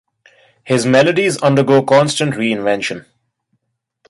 His melodies undergo constant reinvention.